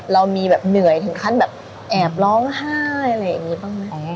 เรามีแบบเหนื่อยถึงขั้นแบบแอบร้องไห้อะไรอย่างนี้บ้างไหม